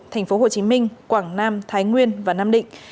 tp hcm quảng nam thái nguyên và nam định